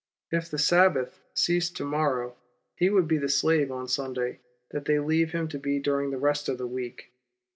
If tlie Sabbath ceased to morrow, he would be the slave on Sunday that they leave him to be during the rest of the week.